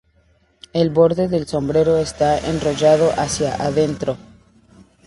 El borde del sombrero está enrollado hacia adentro.